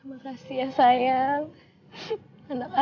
makasih ya lets lo